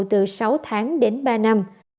từ sáu tháng đến ba năm